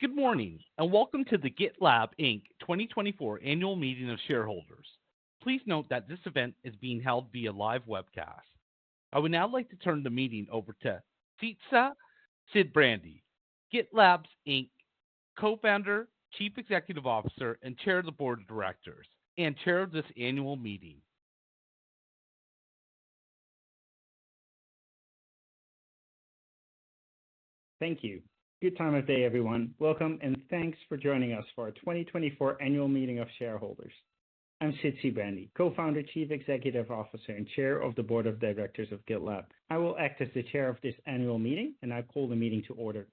Good morning, and welcome to the GitLab Inc. 2024 Annual Meeting of Shareholders. Please note that this event is being held via live webcast. I would now like to turn the meeting over to Sid Sijbrandij, GitLab Inc. Co-founder, Chief Executive Officer, and Chair of the Board of Directors, and Chair of this Annual Meeting. Thank you. Good time of day, everyone. Welcome, and thanks for joining us for our 2024 Annual Meeting of Shareholders. I'm Sid Sijbrandij, Co-founder, Chief Executive Officer, and Chair of the Board of Directors of GitLab. I will act as the Chair of this Annual Meeting, and I'll call the meeting to order.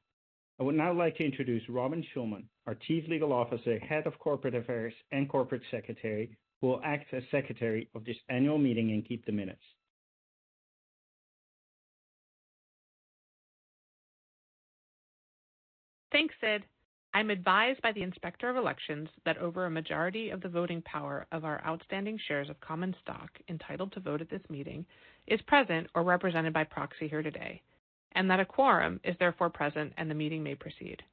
I would now like to introduce Robin Schulman, our Chief Legal Officer, Head of Corporate Affairs, and Corporate Secretary, who will act as Secretary of this Annual Meeting and keep the minutes. Thanks, Sid. I'm advised by the Inspector of Elections that over a majority of the voting power of our outstanding shares of common stock entitled to vote at this meeting is present or represented by proxy here today, and that a quorum is therefore present, and the meeting may proceed.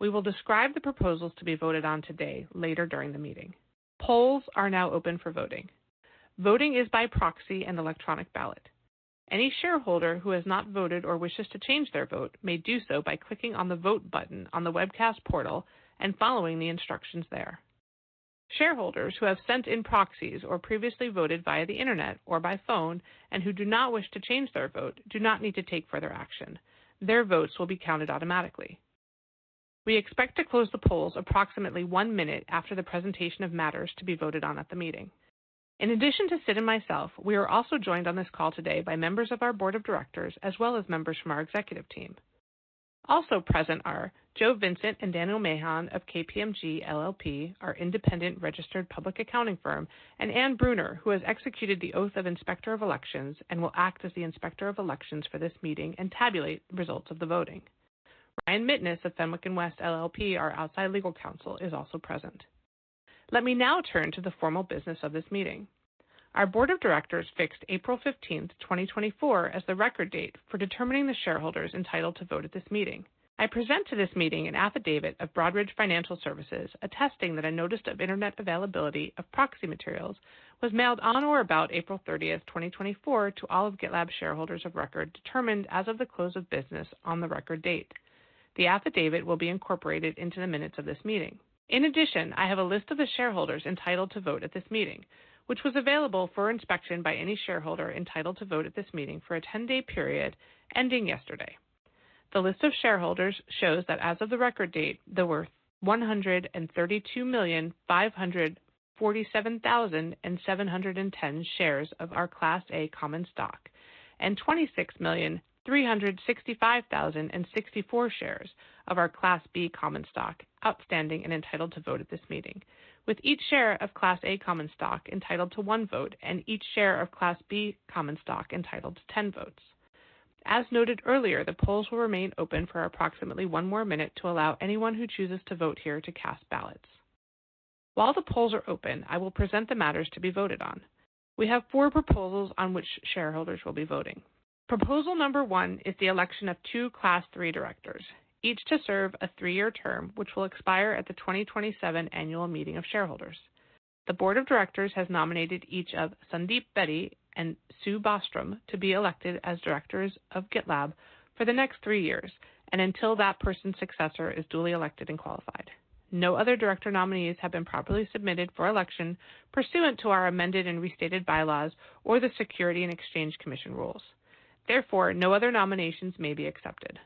We will describe the proposals to be voted on today later during the meeting. Polls are now open for voting. Voting is by proxy and electronic ballot. Any shareholder who has not voted or wishes to change their vote may do so by clicking on the Vote button on the webcast portal and following the instructions there. Shareholders who have sent in proxies or previously voted via the internet or by phone and who do not wish to change their vote do not need to take further action. Their votes will be counted automatically. We expect to close the polls approximately one minute after the presentation of matters to be voted on at the meeting. In addition to Sid and myself, we are also joined on this call today by members of our Board of Directors as well as members from our Executive Team. Also present are Joe Vincent and Daniel Mahan of KPMG LLP, our independent registered public accounting firm, and Anne Bruner, who has executed the oath of Inspector of Elections and will act as the Inspector of Elections for this meeting and tabulate results of the voting. Ryan Mitteness of Fenwick and West LLP, our outside legal counsel, is also present. Let me now turn to the formal business of this meeting. Our Board of Directors fixed April 15, 2024, as the record date for determining the shareholders entitled to vote at this meeting. I present to this meeting an affidavit of Broadridge Financial Services attesting that a notice of internet availability of proxy materials was mailed on or about April 30, 2024, to all of GitLab's shareholders of record determined as of the close of business on the record date. The affidavit will be incorporated into the minutes of this meeting. In addition, I have a list of the shareholders entitled to vote at this meeting, which was available for inspection by any shareholder entitled to vote at this meeting for a 10-day period ending yesterday. The list of shareholders shows that as of the record date, there were 132,547,710 shares of our Class A common stock and 26,365,064 shares of our Class B common stock outstanding and entitled to vote at this meeting, with each share of Class A common stock entitled to one vote and each share of Class B common stock entitled to 10 votes. As noted earlier, the polls will remain open for approximately one more minute to allow anyone who chooses to vote here to cast ballots. While the polls are open, I will present the matters to be voted on. We have four proposals on which shareholders will be voting. Proposal number one is the election of two Class Three Directors, each to serve a three-year term which will expire at the 2027 Annual Meeting of Shareholders. The Board of Directors has nominated each of Sundeep Bedi and Sue Bostrom to be elected as Directors of GitLab for the next three years and until that person's successor is duly elected and qualified. No other director nominees have been properly submitted for election pursuant to our amended and restated bylaws or the Securities and Exchange Commission rules. Therefore, no other nominations may be accepted.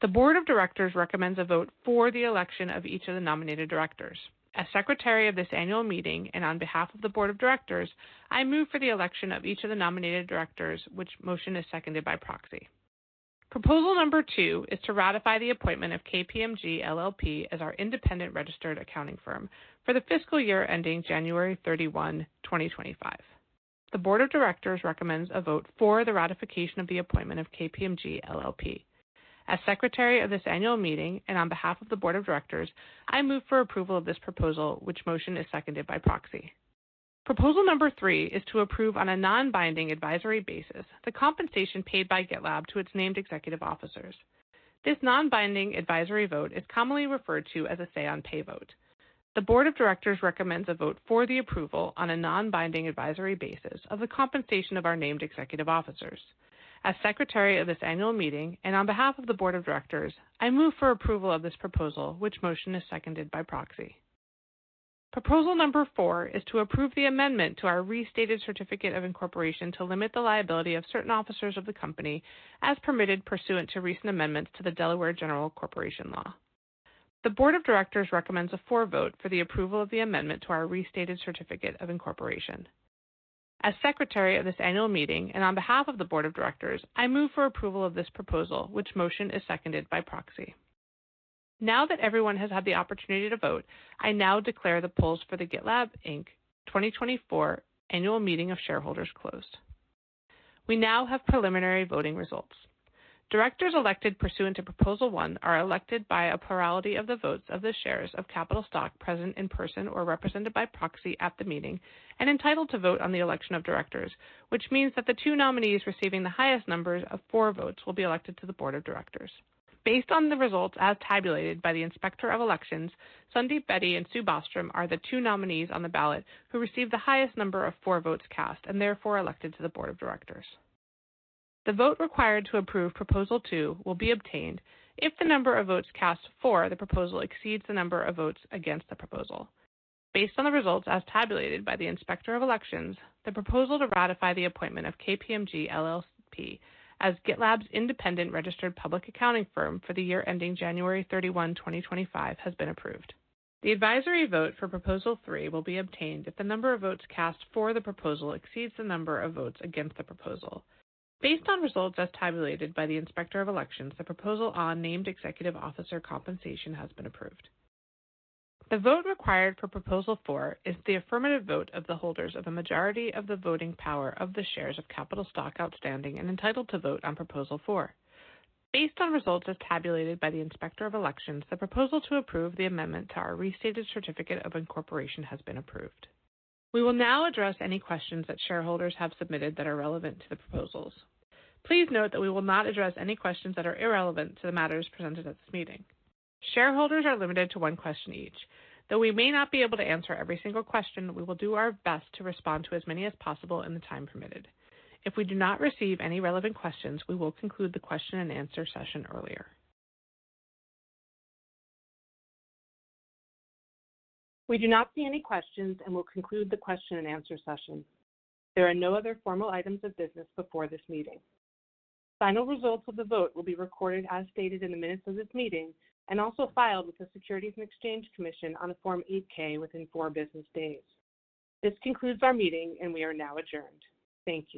The Board of Directors recommends a vote for the election of each of the nominated directors. As Secretary of this Annual Meeting and on behalf of the Board of Directors, I move for the election of each of the nominated directors, which motion is seconded by proxy. Proposal number two is to ratify the appointment of KPMG LLP as our independent registered accounting firm for the fiscal year ending January 31, 2025. The Board of Directors recommends a vote for the ratification of the appointment of KPMG LLP. As Secretary of this Annual Meeting and on behalf of the Board of Directors, I move for approval of this proposal, which motion is seconded by proxy. Proposal number three is to approve on a non-binding advisory basis the compensation paid by GitLab to its named executive officers. This non-binding advisory vote is commonly referred to as a say-on-pay vote. The Board of Directors recommends a vote for the approval on a non-binding advisory basis of the compensation of our named executive officers. As Secretary of this Annual Meeting and on behalf of the Board of Directors, I move for approval of this proposal, which motion is seconded by proxy. Proposal number 4 is to approve the amendment to our restated certificate of incorporation to limit the liability of certain officers of the company as permitted pursuant to recent amendments to the Delaware General Corporation Law. The Board of Directors recommends a for vote for the approval of the amendment to our restated certificate of incorporation. As Secretary of this Annual Meeting and on behalf of the Board of Directors, I move for approval of this proposal, which motion is seconded by proxy. Now that everyone has had the opportunity to vote, I now declare the polls for the GitLab Inc. 2024 Annual Meeting of Shareholders closed. We now have preliminary voting results. Directors elected pursuant to Proposal One are elected by a plurality of the votes of the shares of capital stock present in person or represented by proxy at the meeting and entitled to vote on the election of directors, which means that the two nominees receiving the highest number of votes will be elected to the Board of Directors. Based on the results as tabulated by the Inspector of Elections, Sundeep Bedi and Sue Bostrom are the two nominees on the ballot who received the highest number of votes cast and therefore elected to the Board of Directors. The vote required to approve Proposal Two will be obtained if the number of votes cast for the proposal exceeds the number of votes against the proposal. Based on the results as tabulated by the Inspector of Elections, the proposal to ratify the appointment of KPMG LLP as GitLab's independent registered public accounting firm for the year ending January 31, 2025, has been approved. The advisory vote for Proposal Three will be obtained if the number of votes cast for the proposal exceeds the number of votes against the proposal. Based on results as tabulated by the Inspector of Elections, the proposal on named executive officer compensation has been approved. The vote required for Proposal Four is the affirmative vote of the holders of a majority of the voting power of the shares of capital stock outstanding and entitled to vote on Proposal Four. Based on results as tabulated by the Inspector of Elections, the proposal to approve the amendment to our restated certificate of incorporation has been approved. We will now address any questions that shareholders have submitted that are relevant to the proposals. Please note that we will not address any questions that are irrelevant to the matters presented at this meeting. Shareholders are limited to one question each. Though we may not be able to answer every single question, we will do our best to respond to as many as possible in the time permitted. If we do not receive any relevant questions, we will conclude the question and answer session earlier. We do not see any questions and will conclude the question and answer session. There are no other formal items of business before this meeting. Final results of the vote will be recorded as stated in the minutes of this meeting and also filed with the Securities and Exchange Commission on Form 8-K within four business days. This concludes our meeting, and we are now adjourned. Thank you.